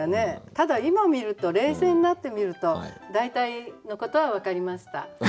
ただ今見ると冷静になって見ると大体のことは分かりました。